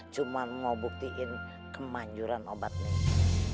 cuma mau buktiin kemanjuran obat nih